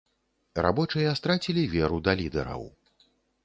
Рабочыя страцілі веру да лідэраў.